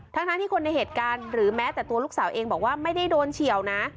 ทั้งที่คนในเหตุการณ์หรือแม้แต่ตัวลูกสาวเองบอกว่าไม่ได้โดนเฉียวนะ